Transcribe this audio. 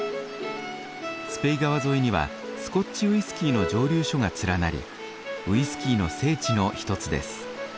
スペイ川沿いにはスコッチウイスキーの蒸留所が連なりウイスキーの聖地の一つです。